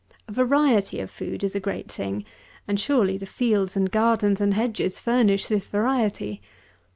A variety of food is a great thing; and, surely, the fields and gardens and hedges furnish this variety!